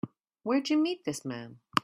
Where'd you meet this man?